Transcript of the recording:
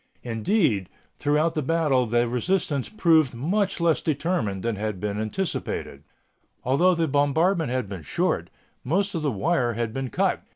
Indeed, throughout the battle the resistance proved much less determined than had been anticipated. Although the bombardment had been short, most of the wire had been cut.